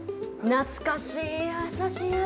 懐かしい、優しい味。